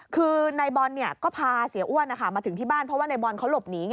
คือนายบอลก็พาเสียอ้วนมาถึงที่บ้านเพราะว่าในบอลเขาหลบหนีไง